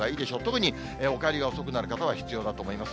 特に、お帰りが遅くなる方は必要だと思います。